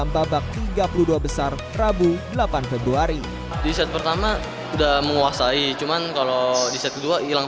babak tiga puluh dua besar rabu delapan februari di set pertama udah menguasai cuman kalau di set kedua hilang